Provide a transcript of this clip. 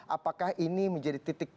apakah ini menjadi titik